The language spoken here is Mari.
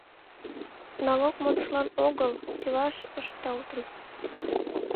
Налог модышлан огыл, тӱлаш ышталтын.